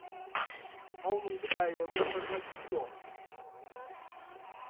هەوڵم بدایێ بۆ حورمەتی تۆ